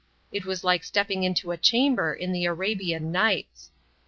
It was like stepping into a chamber in the Arabian Nights.